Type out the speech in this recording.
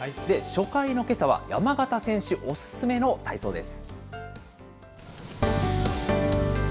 初回のけさは、山縣選手お勧めの体操です。